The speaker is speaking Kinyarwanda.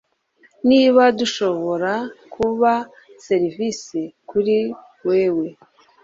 Niba dushobora kuba serivisi kuri wewe